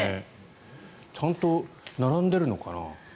ちゃんと並んでるのかな？